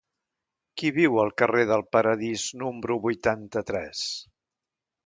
Qui viu al carrer del Paradís número vuitanta-tres?